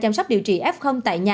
chăm sóc điều trị f tại nhà